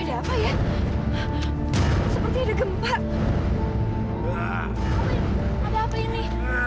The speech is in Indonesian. ah gue ga bisa ke tempat ini